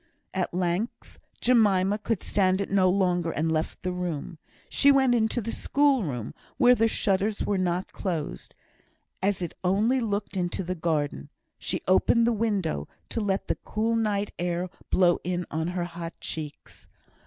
At length Jemima could stand it no longer, and left the room. She went into the schoolroom, where the shutters were not closed, as it only looked into the garden. She opened the window, to let the cool night air blow in on her hot cheeks.